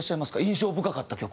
印象深かった曲。